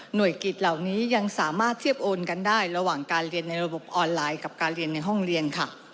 โดยกิจเหล่านี้ยังสามารถเทียบโอนกันได้ระหว่างการเรียนในระบบออนไลน์กับการเรียนในห้องเรียนค่ะ